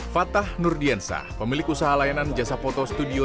fatah nurdiansah pemilik usaha layanan jasa foto studio